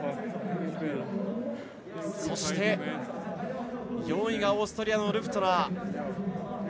そして、４位がオーストリアのルフトゥナー。